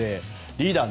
リーダー